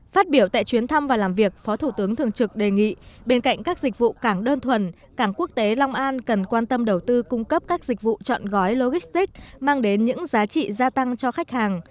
phát biểu tại chuyến thăm và làm việc phó thủ tướng thường trực đề nghị bên cạnh các dịch vụ cảng đơn thuần cảng quốc tế long an cần quan tâm đầu tư cung cấp các dịch vụ chọn gói logistics mang đến những giá trị gia tăng cho khách hàng